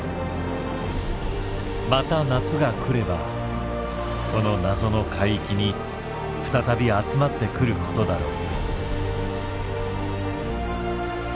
また夏が来ればこの謎の海域に再び集まってくることだろう。